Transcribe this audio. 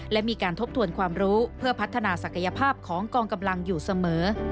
และมีการทบทวนความรู้เพื่อพัฒนาศักยภาพของกองกำลังอยู่เสมอ